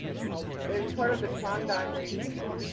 It is part of the Trondheim Region.